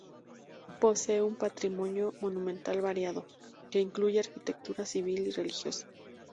Posee un patrimonio monumental variado, que incluye arquitectura civil y religiosa.